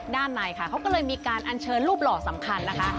ด้านในค่ะเขาก็เลยมีการอัญเชิญรูปหล่อสำคัญนะคะ